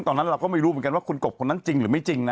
ตอนนั้นไม่รู้เวลว่าคุณกบคนนั้นจริงหรือไม่จริง